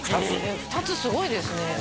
２つすごいですね